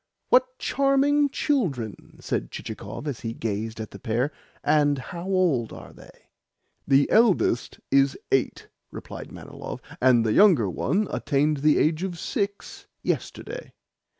"What charming children!" said Chichikov as he gazed at the pair. "And how old are they?" "The eldest is eight," replied Manilov, "and the younger one attained the age of six yesterday."